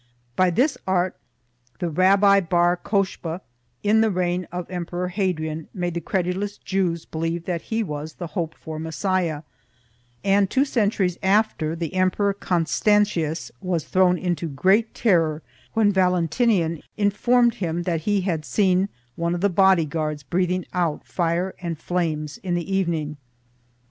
By this art the Rabbi Bar Cocheba, in the reign of the Emperor Hadrian, made the credulous Jews believe that he was the hoped for Messiah; and two centuries after, the Emperor Constantius was thrown into great terror when Valentinian informed him that he had seen one of the body guards breathing out fire and flames in the evening.